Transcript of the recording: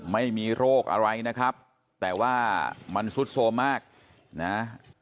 ไม่มีโรคอะไรนะครับแต่ว่ามันซุดโทรมมากนะ